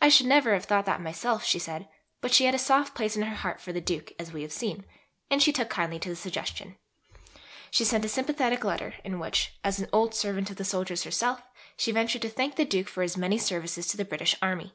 "I should never have thought that myself," she said; but she had a soft place in her heart for the Duke, as we have seen, and she took kindly to the suggestion. She sent a sympathetic letter in which, as an old servant of the soldiers herself, she ventured to thank the Duke for his many services to the British Army.